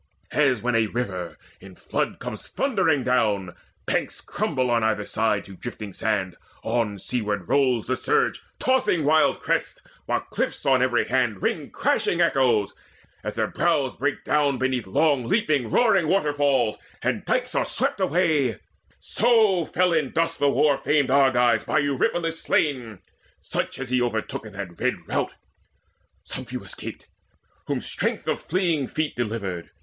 As when a river in flood Comes thundering down, banks crumble on either side To drifting sand: on seaward rolls the surge Tossing wild crests, while cliffs on every hand Ring crashing echoes, as their brows break down Beneath long leaping roaring waterfalls, And dikes are swept away; so fell in dust The war famed Argives by Eurypylus slain, Such as he overtook in that red rout. Some few escaped, whom strength of fleeing feet Delivered.